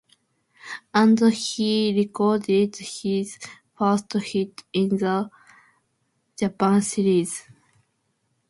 And he recorded his first hit in the Japan Series.